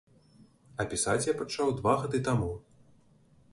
А пісаць я пачаў два гады таму.